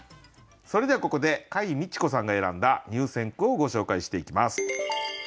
それではここで櫂未知子さんが選んだ入選句をご紹介していきます。